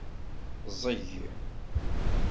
Ẓẓeg.